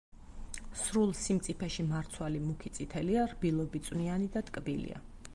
სრულ სიმწიფეში მარცვალი მუქი წითელია, რბილობი წვნიანი და ტკბილია.